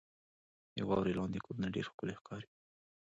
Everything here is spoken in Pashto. • د واورې لاندې کورونه ډېر ښکلي ښکاري.